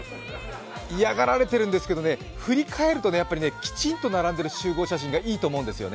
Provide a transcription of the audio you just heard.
嫌がられてるんですけどね、振り返ると、きちんと並んでる集合写真がいいと思うんですよね。